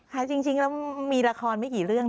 จริงแล้วมีละครไม่กี่เรื่อง